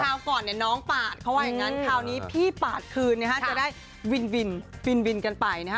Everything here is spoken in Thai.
ก่อนเนี่ยน้องปาดเขาว่าอย่างนั้นคราวนี้พี่ปาดคืนนะฮะจะได้วินวินกันไปนะฮะ